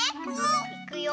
いくよ。